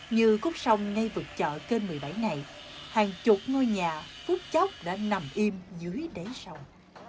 như cút sông ngay vực chợ kênh một mươi bảy này hàng chục ngôi nhà phút chóc đã nằm im dưới đáy sông